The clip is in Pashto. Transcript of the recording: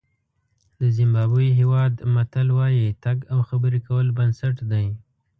د زیمبابوې هېواد متل وایي تګ او خبرې کول بنسټ دی.